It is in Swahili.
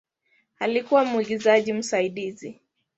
Alikuwa mwigizaji msaidizi.